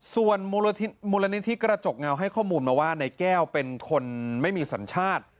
ส่วนมูลนิธิกระจกเงาให้ข้อมูลมาว่านายแก้วเป็นคนไม่มีสัญชาติ